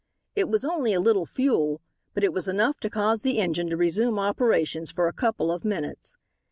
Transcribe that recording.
It was only a little fuel, but it was enough to cause the engine to resume operations for a couple of minutes.